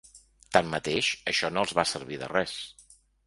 Tanmateix, això no els va servir de res.